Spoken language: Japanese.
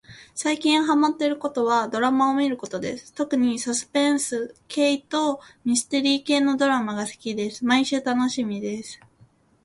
さいきんはまってることはどらまをみることですとくにさすぺんすけいとみすてりーけいのどらまがすきですまいしゅうたのしみです